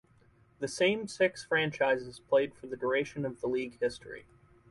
The same six franchises played for the duration of the league history.